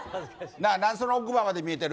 何で奥歯まで生えてる？